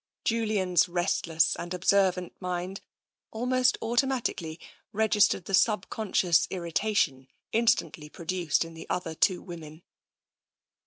Julian's restless and observant mind almost auto matically registered the subconscious irritation in stantly produced in the other two women.